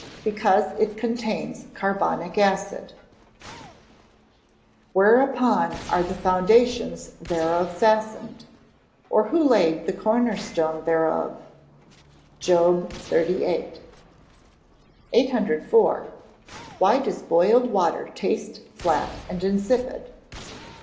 _ Because it contains carbonic acid. [Verse: "Whereupon are the foundations thereof fastened? or who laid the cornerstone thereof." JOB XXXVIII.] 804. _Why does boiled water taste flat and insipid?